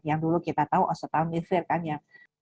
yang dulu kita tahu ostalmivir kan ya